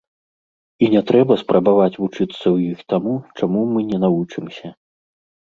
І не трэба спрабаваць вучыцца ў іх таму, чаму мы не навучымся.